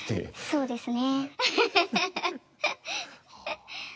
そうですね。